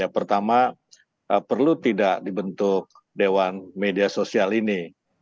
pertama perlu tidak dibentuk dewan media sosial ini